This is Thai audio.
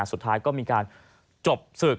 สุดท้ายก็มีการจบศึก